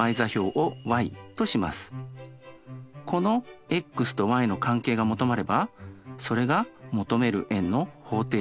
このｘとｙの関係が求まればそれが求める円の方程式になります。